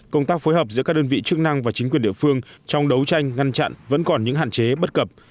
công tác phối hợp giữa các đơn vị chức năng và chính quyền địa phương trong đấu tranh ngăn chặn vẫn còn những hạn chế bất cập